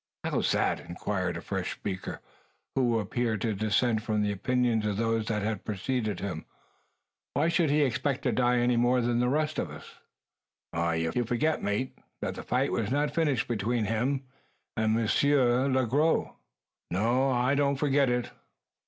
"How's that?" inquired a fresh speaker, who appeared to dissent from the opinions of those that had preceded him. "Why should he expect to die any more than the rest of us?" "You forget, mate, that the fight was not finished between him and Monsieur Le Gros?" "No, I don't forget it.